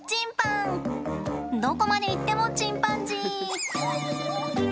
どこまでいってもチンパンジー！